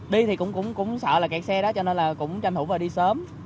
đi thì cũng sợ là kẹt xe đó cho nên là cũng tranh thủ vào đi sớm